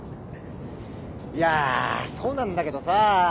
いやそうなんだけどさ。